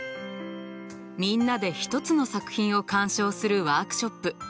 みんなで一つの作品を鑑賞するワークショップ。